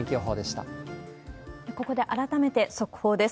ここで改めて速報です。